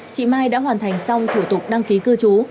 chị mai đã hoàn thành xong thủ tục đăng ký cư trú